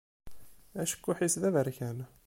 Acekkuḥ-is d aberkan.